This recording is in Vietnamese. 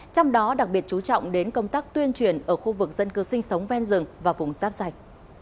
trong đó đặc biệt chú trọng đến công tác tuyên truyền ở khu vực dân cư sinh sống ven rừng và vùng giáp sạch